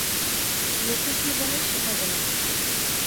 লোকে কী বলে, সেটা বললাম।